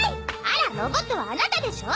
あらロボットはアナタでしょ？